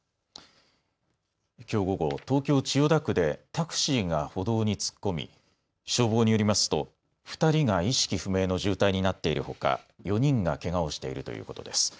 きょう午後、東京千代田区でタクシーが歩道に突っ込み消防によりますと２人が意識不明の重体になっているほか、４人がけがをしているということです。